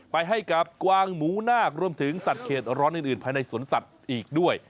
ไปให้กับกวางหมูนาครวมถึงสัตว์เขตร้อนอื่นภายในสวนสัตว์อีกด้วย